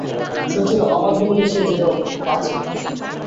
শচীশ অবাধ্য হইলে সে যেন বাঁচে।